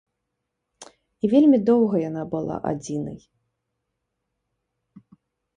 І вельмі доўга яна была адзінай.